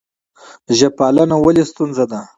ژب پالنه ولې ستونزه ده؟